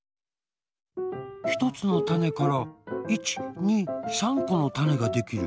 ひとつのたねから１２３このたねができる。